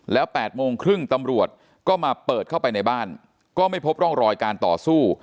แล้ว๘โมงครึ่งตำรวจก็มาเปิดเข้าไปในบ้านก็ไม่พบร่องรอยการต่อสู้